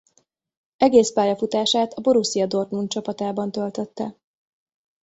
Egész pályafutását a Borussia Dortmund csapatában töltötte.